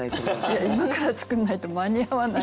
いや今から作んないと間に合わないです。